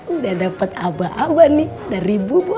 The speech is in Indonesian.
udah dapet aba aba nih dari bu bos